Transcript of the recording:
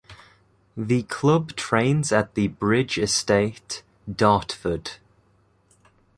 The club trains at The Bridge Estate, Dartford.